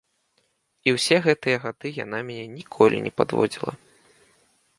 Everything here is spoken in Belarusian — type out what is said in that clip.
І ўсе гэтыя гады яна мяне ніколі не падводзіла.